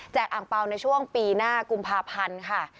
อ่างเปล่าในช่วงปีหน้ากุมภาพันธ์ค่ะ